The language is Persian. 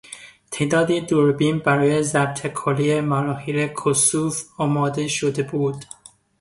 تعدادی دوربین برای ضبط کلیهی مراحل کسوف آماده شده بود.